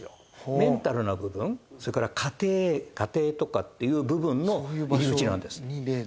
メンタルな部分それから家庭家庭とかっていう部分の入り口なんです。